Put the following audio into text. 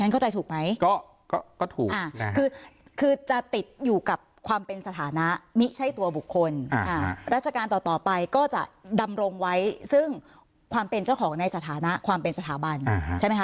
ก็คือจะติดอยู่กับความเป็นสถานะนี่ใช้ตัวบุคคลอ่าฮะราชการต่อต่อไปก็จะดำรงไว้ซึ่งความเป็นเจ้าของในสถานะความเป็นสถาบันอ่าฮะใช่ไหมคะ